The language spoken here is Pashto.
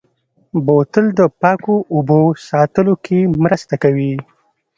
بوتل د پاکو اوبو ساتلو کې مرسته کوي.